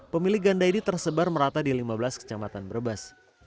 pemilih ganda ini tersebar merata di lima belas kecamatan brebes